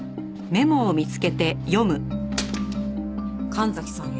「神崎さんへ」